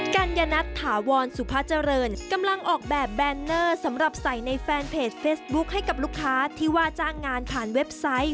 กัญญนัทถาวรสุภาเจริญกำลังออกแบบแบนเนอร์สำหรับใส่ในแฟนเพจเฟซบุ๊คให้กับลูกค้าที่ว่าจ้างงานผ่านเว็บไซต์